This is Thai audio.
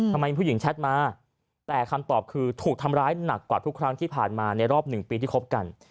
ทำไมผู้หญิงแชทมาแต่คำตอบคือถูกทำร้ายหนักกว่าทุกครั้งที่ผ่านมาในรอบ๑ปีที่คบกัน